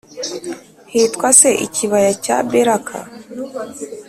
hitwa s Ikibaya cya Beraka